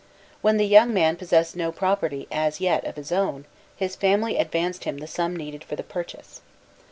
When the young man possessed no property as yet of his own, his family advanced him the sum needed for the purchase.